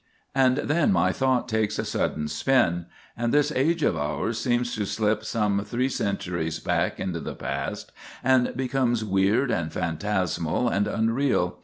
And then my thought takes a sudden spin; and this age of ours seems to slip some three centuries back into the past, and becomes weird, and phantasmal, and unreal.